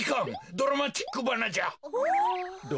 ドラマチックばな？